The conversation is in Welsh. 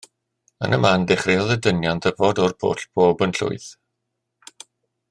Yn y man dechreuodd y dynion ddyfod o'r pwll bob yn llwyth.